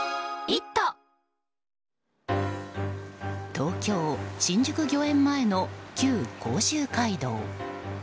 東京・新宿御苑前の旧甲州街道。